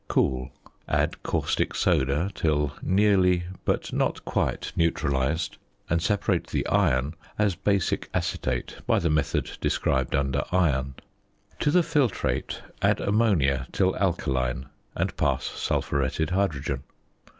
Cool; add caustic soda till nearly, but not quite, neutralised, and separate the iron as basic acetate by the method described under Iron. To the filtrate add ammonia till alkaline, and pass sulphuretted hydrogen.